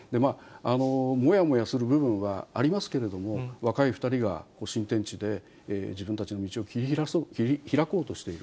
もやもやする部分はありますけれども、若い２人が新天地で、自分たちの道を切り開こうとしている。